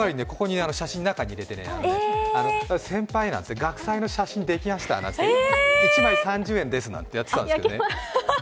写真、中に入れてね、先輩なんて言って、学祭の写真できました、１枚３０円なんですなんてやってたんですけどね。